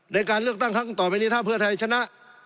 ในการเลือกตั้งครั้งต่อไปนี้ถ้าเพื่อไทยชนะ